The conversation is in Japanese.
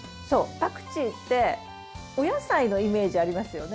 パクチーってお野菜のイメージありますよね。